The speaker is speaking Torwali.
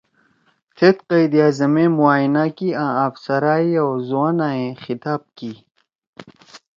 تھید قائداعظم ئے معائینہ کی آں افسرا ئے او زُوانا ئے خطاب کی